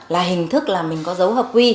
là hình thức là mình có dấu hợp quy